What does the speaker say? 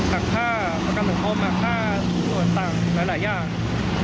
หักค่าประกันบุคมหักค่าส่วนตังค์หลายอย่าง